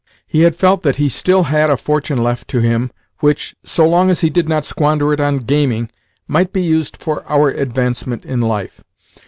He had felt that he still had a fortune left to him which, so long as he did not squander it on gaming, might be used for our advancement in life.